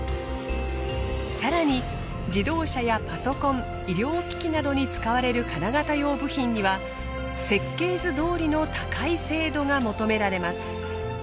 更に自動車やパソコン医療機器などに使われる金型用部品には設計図どおりの高い精度が求められます。